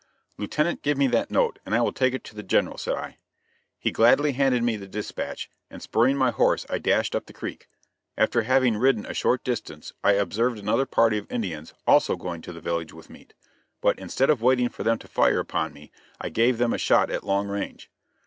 "Lieutenant, give me that note, and I will take it to the General," said I. He gladly handed me the dispatch, and spurring my horse I dashed up the creek. After having ridden a short distance, I observed another party of Indians also going to the village with meat; but instead of waiting for them to fire upon me, I gave them a shot at long range.